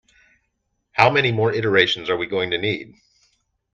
How many more iterations are we going to need?